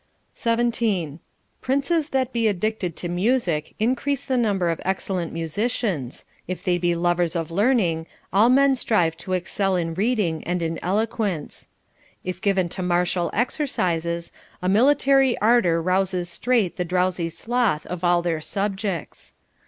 17. Princes that be addicted to music increase the num ber of excellent musicians ; if they be lovers of learning, all men strive to excel in reading and in eloquence ; if given to martial exercises, a military ardor rouses straight the drowsy sloth of all their subjects.